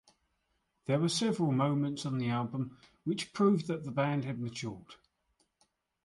There were several moments on the album which proved the band had matured.